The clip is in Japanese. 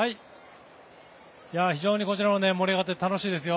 非常にこちらも盛り上がって楽しいですよ。